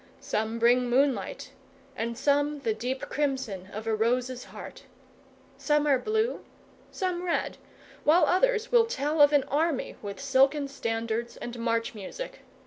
Some bring moonlight, and some the deep crimson of a rose's heart; some are blue, some red, and others will tell of an army with silken standards and march music.